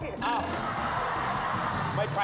เอ้า